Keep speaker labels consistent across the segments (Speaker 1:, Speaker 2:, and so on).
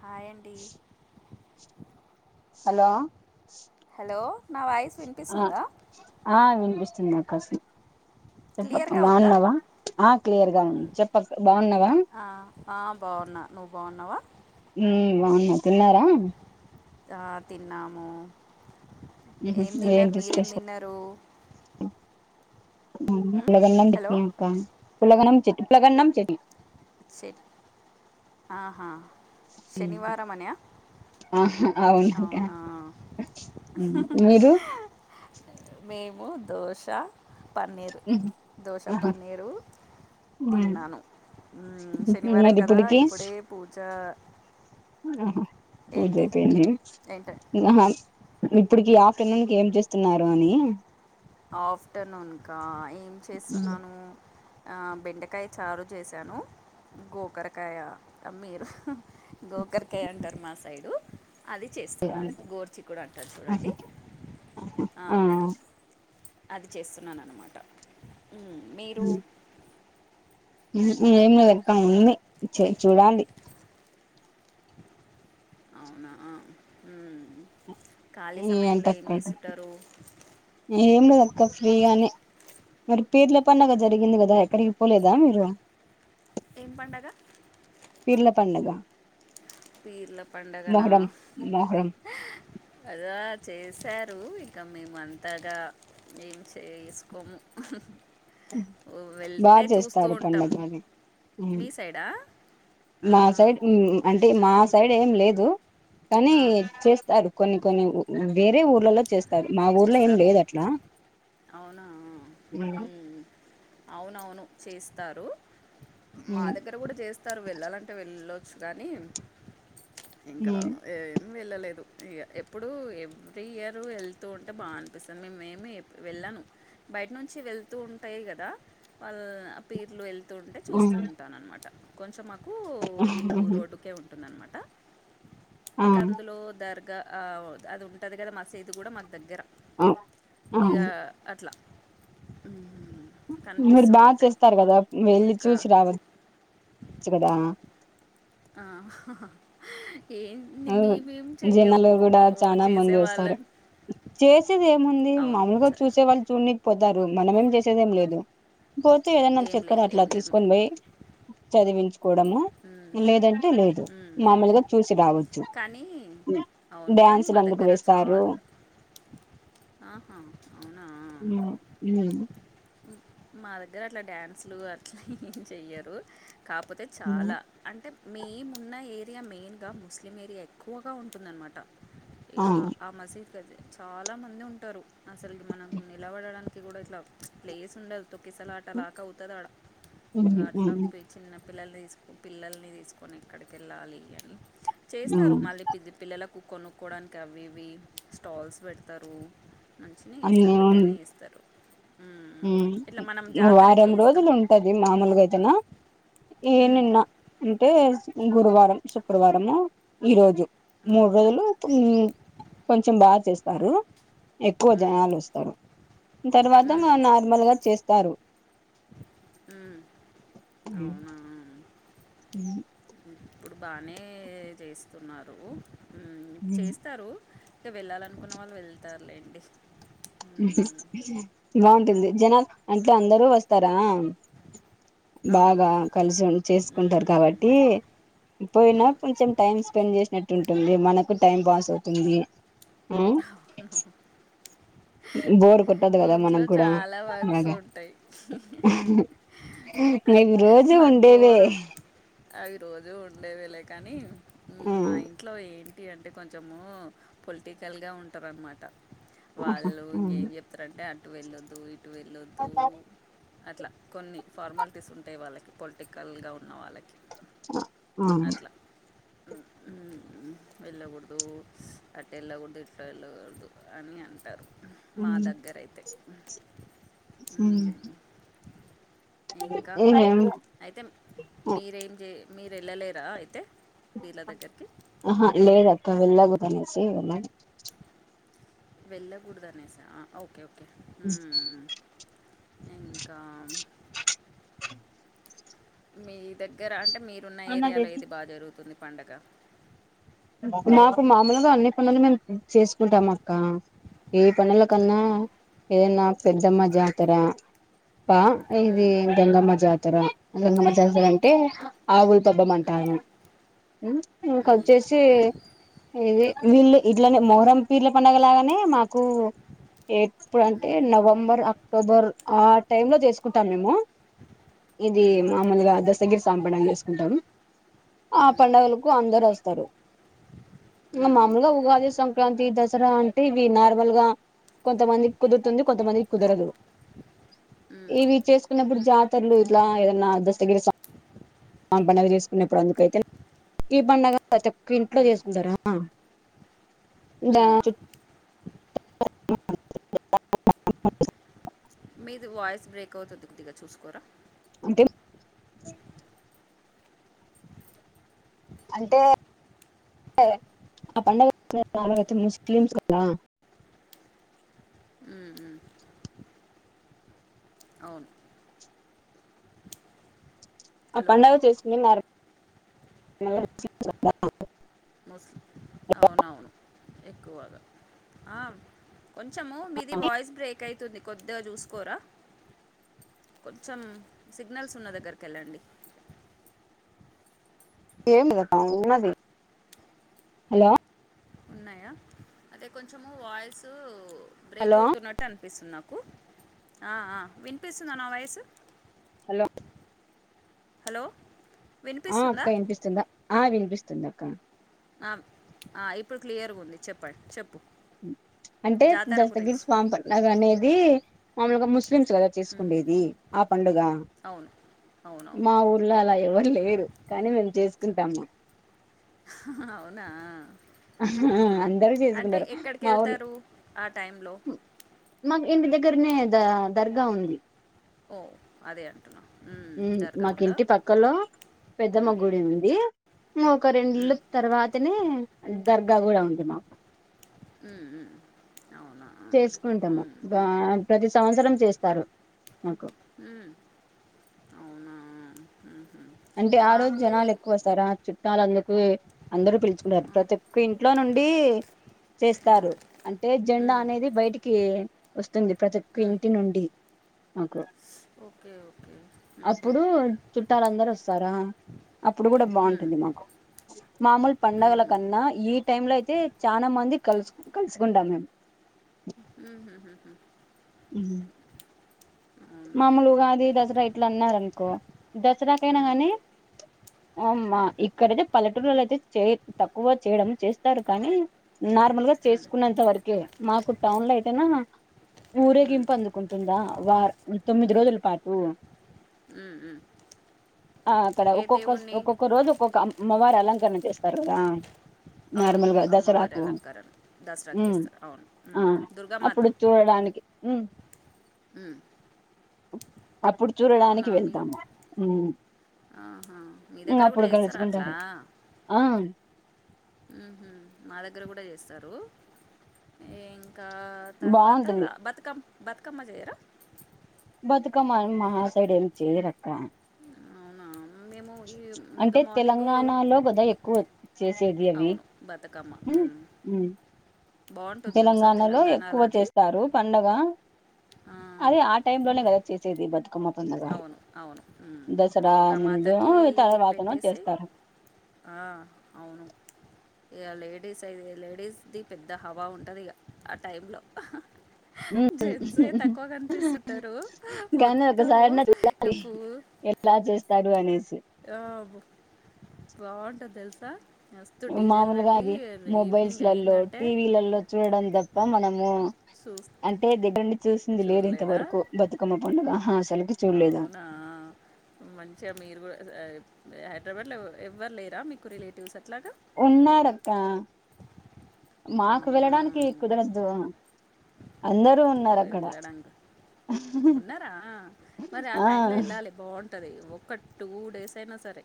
Speaker 1: Hi అండి
Speaker 2: hello
Speaker 1: hello నా voice
Speaker 2: ఆ
Speaker 1: వినిపిస్తుందా
Speaker 2: ఆ వినిపిస్తుంది నాకసు వినపడుతు
Speaker 1: క్లియర్గా ఉందా
Speaker 2: బాగున్నావా ఆ క్లియర్గా చెప్పక బాగున్నావా.
Speaker 1: ఆ, ఆ బాగున్నా నువ్వు బాగున్నావా
Speaker 2: ఉమ్ బావున్నా తిన్నారా
Speaker 1: ఆ తిన్నాము ఏం తిన్నారు
Speaker 2: ఏంటి
Speaker 1: మీరేం
Speaker 2: స్పెషల్
Speaker 1: తిన్నారు
Speaker 2: ఉ
Speaker 1: ఉమ్,
Speaker 2: పులగన్నం
Speaker 1: హలో
Speaker 2: చెట్నీ అక్క పులగన్నం చెట్నీ పులగన్నం చెట్నీ
Speaker 1: శె ఆహా శనివారం అనా
Speaker 2: ఆహా అవునక్క
Speaker 1: అవునా ఉహుహు
Speaker 2: మీరు
Speaker 1: మేమ్ ము దోశ పన్నీరు దోశ పన్నీరు తిన్నాను ఉమ్ శనివారం
Speaker 2: మరి
Speaker 1: కదా ఇప్పుడే పూజ
Speaker 2: అహా పూజ
Speaker 1: ఏంటి
Speaker 2: అయిపోయింది
Speaker 1: ఏంట
Speaker 2: ఇంగా మామ్ ఇప్పుటికి ఆఫ్టర్నూన్కి ఏం చేస్తున్నారు అని
Speaker 1: ఆఫ్టర్నూన్కా ఏం చేస్తున్నాను ఆ బెండకాయి చారు చేశాను గోకరకాయ మీరు హ్ గోకరకాయ అంటారు మా సైడు అది చేస్తున్నాను గోరుచిక్కుడు అంటారు చూడండి ఆ అది చేస్తున్నాను అనమాట మీరు
Speaker 2: ఉహు ఏం లేదక్క ఉంది చె
Speaker 1: మీ
Speaker 2: చూడాలి
Speaker 1: అవునా ఉ ఖాళీ సమయంలో ఏం
Speaker 2: ఏంటక్క
Speaker 1: చేస్తుంటారు
Speaker 2: ఏం లేదక్క ఫ్రీగానే మరి పేర్ల పండగ జరిగింది కదా ఎక్కడికి పోలేదా మీరు.
Speaker 1: ఏం పండగ
Speaker 2: పిర్ల పండగ
Speaker 1: పిర్ల పండగనా
Speaker 2: మొహరం మొహరం
Speaker 1: అదా చేశారు రు ఇంక మేము అంతగా ఏం చేసుకోము
Speaker 2: బాగా
Speaker 1: వెళ్తే చూస్తూ
Speaker 2: చేస్తారు పండగ
Speaker 1: ఉంటాము
Speaker 2: అది
Speaker 1: మీ సైడా
Speaker 2: మా
Speaker 1: ఆహా
Speaker 2: సైడ్ ము ము అంటే మా సైడ్ ఏం లేదు కానీ
Speaker 1: ఆ,
Speaker 2: చేస్తారు కొన్ని కొన్ని ఊ వేరే ఊర్లలో చేస్త్
Speaker 1: చేస్తారు అవునా ఉ ఉ అవునవును చేస్తారు మా దగ్గర కూడా చేస్తారు వెళ్ళాలంటే వెళ్ళొచ్చు కానీ ఇంకా ఏం వెళ్ళలేదు ఇగ ఎప్పుడు ఎవ్రీ ఇయరు వెల్త్ తు ఉంటే బాగా అనిపిస్తది మీమేమి ఎప్ వెళ్ళను బయట వెళ్తు ఉంటాయి కదా వల్ పిర్లు వెళ్తు ఉంటే చూస్తూ ఉంటాను అనమాట కొంచెం మా
Speaker 2: ఆహహు
Speaker 1: ఉంటుంది అనమాట ఇంకా అందులో దర్గా అ ఓ అది ఉంటంది కదా మసీద్ కూడా మ దగ్గర ఇగ అట్ల మ్
Speaker 2: మీరు బాగా చేస్తారు కదా వెళ్ళి
Speaker 1: ఇక
Speaker 2: చూసి రావ చ్చు కదా
Speaker 1: ఆ హా హా ఏం మేమేమి
Speaker 2: జనాలు
Speaker 1: చెయ్యము
Speaker 2: కూడా చాలా
Speaker 1: చేసే వాళ్ళం
Speaker 2: ముంది మాముూలుగా చూసే వాళ్ళు చూడ్ని పోతారు మనమేం చేసేదేంలేదు. పోతే ఏదన్నా
Speaker 1: ఏం
Speaker 2: చక్కర
Speaker 1: లేదు
Speaker 2: అట్లా
Speaker 1: ఏం లేదు
Speaker 2: తీసుకొని పోయి చదివించు కోడము
Speaker 1: ఉమ్,
Speaker 2: లేదంటే లేదు.
Speaker 1: ఉమ్.
Speaker 2: మామూలుగా చూసి రావచ్
Speaker 1: కానీ అవును కానీ మా
Speaker 2: అందుకు
Speaker 1: దగ్గర
Speaker 2: వేస్తారు
Speaker 1: చార్ ఆహా! అవునా మా దగ్గర అట్ల డ్యాన్సులు అట్లా ఏం చెయ్యరు కాపో చాలా అంటే మేమున్న ఏరియా మెయిన్గా ముస్లిం ఏరియా ఎక్కువగా ఉంటుందన్మాట ఇగ ఆ మసీద్ అదే చాలా మంది ఉంటారు. అసలు మనం నిలబడడానికి కూడా ఇట్లా ప్లేస్ ఉండదు. తొక్కిసలాటలాక అవుతదాడ ఇంగాట్లా పి చిన్న పిల్లల పిల్లల్ని తీసుకొని ఎక్కడికెళ్ళాలి అని చేస్తారు మళ్ళీ పి పిల్లలకు కొనుక్కోడానికి అవి ఇవి స్టాల్స్ పెడ్తారు. మంచిగనే ఎస్తారు పెద్దనే ఎస్తారు.
Speaker 2: మ్ వారం
Speaker 1: చేస్తాం
Speaker 2: రోజులుంటది మామూలుగయితేనా ఏ
Speaker 1: ఉమ్,
Speaker 2: నిన్న అంటే గురువారం శుక్రవారము ఈరోజు
Speaker 1: ఉమ్,
Speaker 2: మూడు రోజులు మ్ కొంచెం బాగ చేస్తారు. ఎక్కువ
Speaker 1: ఉమ్,
Speaker 2: జనాలోస్తారు తర్వా త
Speaker 1: ఉమ్,
Speaker 2: నార్మల్గా చేస్తారు.
Speaker 1: ఉమ్. అవునా
Speaker 2: హ్మ్
Speaker 1: ఇప్పుడు బానే చేస్తున్నారు హ్మ్ చేస్తారు. ఐతే వెళ్ళాలనుకున్న వాళ్ళు వెళ్తార్లేండి.
Speaker 2: మ్ హు బాగుంటుంది జనాలు అంటే అందరూ వస్తారా
Speaker 1: అవును
Speaker 2: బాగా కలిసి ఉం చేసుకుంటారు
Speaker 1: ఉమ్,
Speaker 2: కాబట్టి పోయినా
Speaker 1: అవును
Speaker 2: కొంచెం టైమ్ స్పెండ్ చేసినట్టు ఉంటుంది. మనకు టైం పాస్ అవుతుంది. ఆ
Speaker 1: అవును.
Speaker 2: బోర్ కొట్టదు కదా మనక్కూడా
Speaker 1: వర్క్స్
Speaker 2: అలాగా
Speaker 1: ఉంటాయి
Speaker 2: ఇవి రోజు
Speaker 1: మాకు
Speaker 2: ఉండేవే
Speaker 1: బోరు అవి రోజు ఉండేవేలే కాని మ్
Speaker 2: ఆ
Speaker 1: మా ఇంట్లో ఏం టి అంటే కొంచెము పొలిటికల్గా ఉంటారన్నమాట వాళ్ళు ఇంగేం చెప్తారంటే అటు వెళ్ళొద్దు ఇటు వెళ్ళొద్దు. అట్ల కొన్ని ఫార్మాలిటీస్ ఉంటాయి వాళ్ళకి పొలిటికల్గా ఉన్న వాళ్ళకి
Speaker 2: అ ఆ
Speaker 1: ఎల్లకుడదు అటెల్లకూడ్ ఇటేళ్ళకూడదు అని అంటారు మా దగ్గర అయితే
Speaker 2: హ్మ్
Speaker 1: మ్, ఇంకా అయితే మీరేం చే మీరేళ్ళలేరా అయితే వీళ్ళ దగ్గరికి
Speaker 2: ఆహ లేదక్క వెళ్ళకూడదనేసి
Speaker 1: వెళ్లగుడదనేసా ఓకే ఓకే
Speaker 2: మ్
Speaker 1: ఇంకా మీ దగ్గర అం అంటే మీరున్న ఏరియాలో ఏది బాగా జరుగుతుంది పండగ
Speaker 2: మాకు మామూలుగా అన్ని పండగలు మేము చేసుకుంటాం అక్క ఈ పండగల కన్నా ఏదన్నా పెద్దమ్మా జాతర ప్ప ఇది
Speaker 1: మ్మ్,
Speaker 2: గంగమ్మ జాతర గంగమ్మ జాతర అంటే ఆవులు
Speaker 1: మ్మ్,
Speaker 2: దబ్బమంటాను ఇంకా
Speaker 1: మ్మ్,
Speaker 2: వచ్చేసి ఇదే వీళ్ళు ఇట్లనే మొహరం పీర్ల పండగ లాగానే మాకు ఎప్పుడ
Speaker 1: మ్మ్,
Speaker 2: అంటే నవంబర్ అక్టోబర్ ఆ టైమ్ లో చేసుకుంటాం మేము ఇది
Speaker 1: మ్మ్,
Speaker 2: మామూలుగా దశగిరి సాంపద చేసుకుంటాము ఆ
Speaker 1: మ్మ్,
Speaker 2: పండగలకు అందరు వస్తారు ఇక
Speaker 1: మ్మ్, మ్మ్,
Speaker 2: మామూలుగా ఉగాది సంక్రాంతి దసరా అంటే ఇవి నార్మల్ గా కొంతమందికి కుదురుతుంది కొంతమందికి కుదరదు
Speaker 1: మ్మ్,
Speaker 2: ఇవి చేసుకున్నప్పుడు జాతరలు ఇట్లా ఏదన్నా దస్తగిరీ [inaudible] [inaudible] పండుగ చేసుకున్నప్పుడు అందుకైతే ప్రతి పండగ ప్రతిక్క ఇంట్లో చేసుకుంటారా
Speaker 1: అమ్ మీది వాయిస్ బ్రేక్ అవుతుంది కొద్దిగా చూసుకోరా
Speaker 2: అంటే అంటే ఆ పండగాల ముస్లింస్ [inaudible]
Speaker 1: మ్మ్, మ్మ్. అవును
Speaker 2: ఆ
Speaker 1: హలో
Speaker 2: పండుగ చేసుకునేది నిర్మాల్గా ముస్లిమ్స్ వాళ్ళ [inaudible]
Speaker 1: అవున అవును ఎక్కువగా కొంచెము మీది వాయిస్ బ్రేక్ అయితుంది కొద్దిగా చూసుకోరా. కొంచెం సిగ్నల్స్ ఉన్న దగ్గరికి వెళ్ళండి.
Speaker 2: ఏమి ఉన్నది హలో [inaudible]
Speaker 1: అదే కొంచము వాయిస్ బ్రేక్
Speaker 2: హలో
Speaker 1: అవుతున్నట్టు ఉంది నిపిస్తుంది నాకు ఆ ఆ వినిపిస్తుందా నా వాయిస్.
Speaker 2: హలో.
Speaker 1: హలో.
Speaker 2: ఆ అక్క
Speaker 1: వినిపిస్తుందా
Speaker 2: వినిపిస్తుందా ఆ వినిపిస్తుంది అక్క.
Speaker 1: ఆ ఆ ఇప్పుడు క్లియర్గా ఉంది చెప్పండి చెప్పు
Speaker 2: అంటే
Speaker 1: జాతర
Speaker 2: దస్తగిరి
Speaker 1: గురించి
Speaker 2: స్వామి పండగ అనేది. మామలుగా ముస్లిమ్స్ కదా
Speaker 1: ఉమ్,
Speaker 2: చేసుకునేది ఆ పండుగ.
Speaker 1: అవును అవునవును
Speaker 2: మా ఊర్లో అలా ఎవర్ లేరు కానీ మేము చేసుకుంటాము.
Speaker 1: అవునా. ఆహా!
Speaker 2: అందరూ
Speaker 1: అంటే
Speaker 2: చేసుకుంటారు మా ఊర్ల
Speaker 1: ఎక్కడికెళ్తారు ఆ టైంలో
Speaker 2: దగ్గరనే ద దర్గా ఉంది.
Speaker 1: ఓ అదే అంటున్నా ఉమ్ దర్గా ఉందా.
Speaker 2: పెద్దమ
Speaker 1: హ్మ్.
Speaker 2: గుడి ఉంది. ఒక రెండిళ్ళు
Speaker 1: హ్మ్.
Speaker 2: తర్వాతనే దర్గా కూడా ఉంది మాకు.
Speaker 1: ఉమ్ అవున [inaudible]
Speaker 2: చేసుకుంటాము ప్రతి సంవత్సరం చేస్తారు మాకు
Speaker 1: అవున
Speaker 2: అంటే ఆ రోజు జనాలు ఎక్కువ వస్తార ఆ చుట్టాలు అందుకు అందరుూ పిలుచుకుంటారు ప్రతి ఒక్క ఇంట్లో ను
Speaker 1: ఆ!
Speaker 2: చేస్తారు అంటే జం
Speaker 1: హ్మ్.
Speaker 2: అనేది బయటికి వ [unintelligible] ప్రతి ఒక్క
Speaker 1: హ్మ్.
Speaker 2: ఇంటి నుండి మకు.
Speaker 1: ఓకే ఓకే ఉహు
Speaker 2: చుట్టాలందరూ వస్తారా అప్పుడు కూడ బాగుంటుంది మాకు మామూలు పడుగల
Speaker 1: హ్మ్.
Speaker 2: కన్న టైమ్ లో అయితే చాల మంది కలుసు కలుసుకుంటాం మేము.
Speaker 1: [inaudible]
Speaker 2: ఉ
Speaker 1: అవునా?
Speaker 2: మామూలుగా అది దసరా ఇట్ల అన్నారు అనుకో దసరాకైనా
Speaker 1: హ్మ్.
Speaker 2: గానీ అమా ఇక్కడయితే పల్లెటూరులో అయితే చే తక్కువ చేయడం చేస్తారు కానీ న. ల్ గా
Speaker 1: హ్మ్.
Speaker 2: చేసుకున్నంత వరక మాకు టౌన్ లో అయితేన
Speaker 1: హ్మ్.
Speaker 2: ఊరేగింపు అందుకుంటుందా వ తొమ్మిది రోజుల పాటు.
Speaker 1: హ్మ్. హ్మ్.
Speaker 2: ఆ అక్కడ
Speaker 1: ఏ
Speaker 2: ఒక్కొక్క
Speaker 1: దేవుణ్ణి?
Speaker 2: ఒక్కొక్క రోజు ఒక్కొక్క అమ్మవ అలంకరణ చేస్తారు కద
Speaker 1: [inaudible] అవును అమ్మవారి అలంకారన కి దసరా
Speaker 2: ఉమ్
Speaker 1: చేస్తారు అవును దుర్గామాత
Speaker 2: ఉ
Speaker 1: ఉ
Speaker 2: అప్పుడు
Speaker 1: అవునా
Speaker 2: చూడడానికి
Speaker 1: మీ
Speaker 2: వెళ్తాము
Speaker 1: ఆహా మీ
Speaker 2: ఇంగ
Speaker 1: దగ్గర కూడ
Speaker 2: అప్పుడు
Speaker 1: ఎస్తార అట్లా.
Speaker 2: కలుసుకుంటారు ఆ
Speaker 1: ఉహు దగ్గర కూడ చేస్తారు ఇంకా తర్వాత
Speaker 2: బాగుంటుంది
Speaker 1: బతుకమ్ బతుకమ్మ చేయర
Speaker 2: [unintelligible]
Speaker 1: అవునా మేము ఈ ఇంకా
Speaker 2: అంటే
Speaker 1: మార్నింగు
Speaker 2: తెలంగాణలో కదా ఎక్కువ చేసేది అవి
Speaker 1: అవును బతుకమ్మ ఉమ్. బాగుంటుంది తెలుసా
Speaker 2: తెలంగాణలో ఎక్కువ
Speaker 1: అది
Speaker 2: చేస్తారు పండగ
Speaker 1: ఆ,
Speaker 2: అదే ఆ టై లోనే కదా చేసేది బతుకమ్మ పండగ
Speaker 1: అవును అవును
Speaker 2: దసరా ముందు
Speaker 1: దుర్గామాతకి
Speaker 2: తర్వాతనో
Speaker 1: పెట్టేసి
Speaker 2: చేస్తారు
Speaker 1: ఆ అవును ఇక లేడీస్ అయి లేడీస్ది పెద్ద హవా ఉంటుంది ఇక ఆ టైంలో
Speaker 2: ఉమ్.
Speaker 1: జెన్స్ తక్కువ కనిపిస్తుంటారు పో
Speaker 2: ఒకసారి నా చూడాలి ఎట్లా చేస్తారు అనేసి
Speaker 1: ఆ బాగుంటది తెలుస
Speaker 2: మామలుగా అది
Speaker 1: ఈవినింగ్
Speaker 2: మొబైల్స్లలో
Speaker 1: అయిందంటే
Speaker 2: టీవీలలో చూడడం తప్ప మనము
Speaker 1: చూస్
Speaker 2: అంటే దగ్గర నుంచి చూసింది లేదు
Speaker 1: చూడలేదా?
Speaker 2: ఇంతవరకు బతుకమ్మ పండుగ అసలుకి చూడలేదు
Speaker 1: అవునా మంచిగా మీరు కూడ హైదరాబాద్లో ఎవ్వరు లేర మీకు రిలేటివ్స్ అట్ల
Speaker 2: ఉన్నారక్క మాకు
Speaker 1: అవునా!
Speaker 2: వెళ్ళడానికి కుదరద్దు అందరు ఉన్నారు అక్కడ
Speaker 1: ఉన్నార మరి ఆ టైమ్ లో వెళ్ళాలి [unintelligible] ఉంటంది ఒక టూ డేస్ అయినా సరే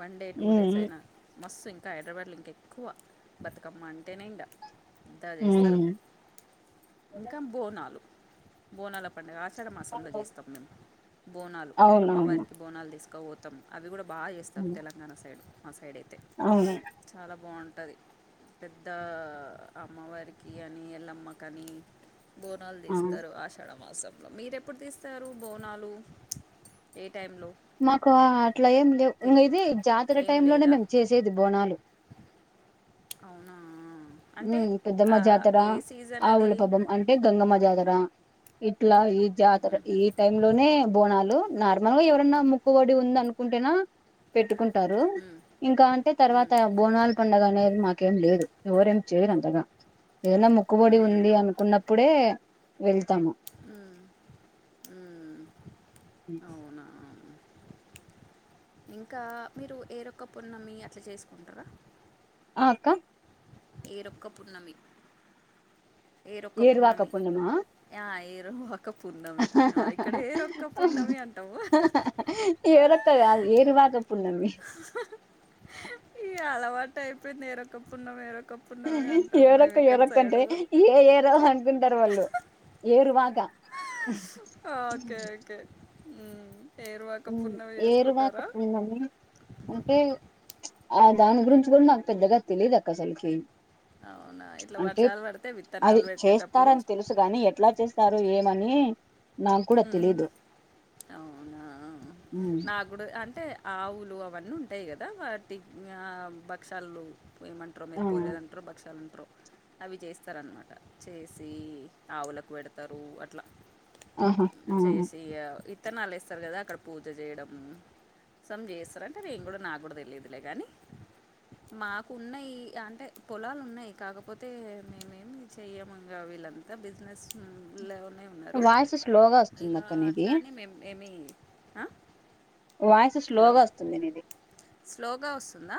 Speaker 1: వన్ డే టూ డేస్
Speaker 2: ఉమ్
Speaker 1: అయినా మస్తు ఇంకా హైదరాబాద్లో ఇంక ఎక్కువ బతుకమ్మ అంటేనే ఇంగ [unintelligible] చేస్తారు
Speaker 2: ఉమ్
Speaker 1: ఇంకా బోనాలు బోనలు పండుగ అక్కడ మాసంలో చేస్తాం మేము బోనాలు
Speaker 2: అవునవును
Speaker 1: అమ్మవారికి బోనాలు తీసుకో పోతాం అవి కూడా బాగా చేస్తారు
Speaker 2: ఉమ్,
Speaker 1: తెలంగాణ సైడ్ మా సైడ్ అయితే
Speaker 2: అవును
Speaker 1: చాలా బావుంట ఉంటది పెద్ద అమ్మవారికి అని ఎల్లమ్మక అని బోనాలు
Speaker 2: ఆ
Speaker 1: దీసు ఆషాఢమాసంలో మీరు ఎప్పుడు తీస్తారు బోనాలు ఏ టైంలో
Speaker 2: మాకు అట్లా ఏం లేవు
Speaker 1: తెలి
Speaker 2: ఇ ఇది జాతర
Speaker 1: ఏం
Speaker 2: టైమ్ లోనే
Speaker 1: లేదా
Speaker 2: మేము చేసేది బోనాలు
Speaker 1: అవునా అంటే
Speaker 2: హ్మ్మ్ పెద్దమ్మ
Speaker 1: ఆ,
Speaker 2: జాతర
Speaker 1: ఏ సీజన్ అది
Speaker 2: ఆవుల పబం అంటే గంగమ్మ జాతర ఇ ఇట్లా ఈ జాతర
Speaker 1: మ్హూ,
Speaker 2: ఈ టైమ్ లోనే బోనాలు నార్మల్ గా ఎవరన్నా ముక్కుబడి ఉంది అనుకుంటేనా పెట్టుకుంట ంటారు
Speaker 1: మ్,
Speaker 2: ఇంకా అంటే
Speaker 1: మ్,
Speaker 2: తర్వాత బోనాాల పడుగ అనేది మాకేం లేదు ఎవరేం చేయరంతగా ఏదైనా మొక్కుబడి
Speaker 1: మ్,
Speaker 2: ఉంది అనుకున్నప్పుడే వెళ్తాము
Speaker 1: మ్,
Speaker 2: హ్మ్మ్
Speaker 1: అవునా ఇంకా మీరు ఏరొక్క పున్నమ్మి అట్లా చేసుకుంటారా
Speaker 2: ఆ అక్క
Speaker 1: ఏరొక్క పున్నమి ఏరొక్క
Speaker 2: ఏరువాక
Speaker 1: పున్నమి
Speaker 2: పున్నమా
Speaker 1: ఆ ఏర్ ఒక పున్నమి ఆ ఇక్కడ ఏరొక్క పున్నమి అంటావ్
Speaker 2: త్త ఏరువకా పున్నమి
Speaker 1: టైప్ నేరొక్క పున్నమి ఏర్
Speaker 2: ఏరొక్క ఏరొక్క అంటే ఏ ఏర అం ముందర్ వాళ్ళు ఏరువకా
Speaker 1: ఓకే ఓకే హ్మ్మ్
Speaker 2: హ్మ్మ్ ఏరువాక పున్నమి అంటే ఆ దాని గురించి కూడా నాకు పెద్దగా తెలియదు అక్క అసలుకి
Speaker 1: అవునా ఇట్లా
Speaker 2: అంటే
Speaker 1: వర్షాలు పడితే
Speaker 2: అది
Speaker 1: విత్తనాలు పెట్టేటప్పుడు
Speaker 2: చేస్తారని తెలుసు కాగాని ఎట్లా చేస్తారు ఏ మనీ
Speaker 1: హ్మ్మ్ అవునా
Speaker 2: ఉమ్,
Speaker 1: నా కూడా అంటే ఆవులు అవన్నీ ఉంటాయి కదా వాటి భక్షలు ఏమంటారు
Speaker 2: ఆ
Speaker 1: మీరు పోలేలులాంటారో భక్షాలూ అంటారో అవి చేస్తారన్నమాట చేసి ఆవులకు పెడతారు అట్లా
Speaker 2: ఆహా ఆ.
Speaker 1: చేసి ఇత్తనాలు వేస్తారు కదా అక్కడ పూజ చేయడము సమ్ చేస్తారంటే నేను కూడా నా కూడా తెలిలీయదులే కానీ మాకు ఉన్నాయి అంటే పొలాలు ఉన్నాయి కాకపోతే మేమేమి చెయ్యమంగవి అంత బిజినెస్ లవ్
Speaker 2: వయోస్ స్లో గా వస్తూ
Speaker 1: ఇక అట్లానే మేము ఏమి
Speaker 2: వాయిస్ స్లోగా
Speaker 1: హలో
Speaker 2: వస్తుంది నీది
Speaker 1: స్లోగా వస్తుందా